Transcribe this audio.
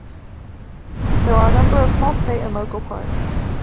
There are a number of smaller state and local parks.